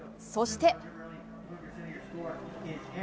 そして。